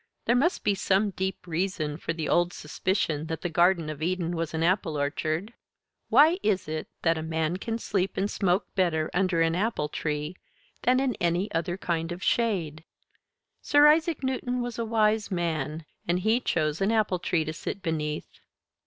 There must be some deep reason for the old suspicion that the Garden of Eden was an apple orchard. Why is it that a man can sleep and smoke better under an apple tree than in any other kind of shade? Sir Isaac Newton was a wise man, and he chose an apple tree to sit beneath.